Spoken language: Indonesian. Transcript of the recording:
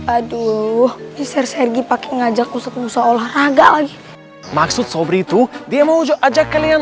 aduh bisa sergi pakai ngajak usah olahraga lagi maksud sobritu dia mau ajak kalian